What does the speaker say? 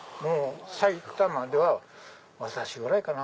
埼玉では私ぐらいかな。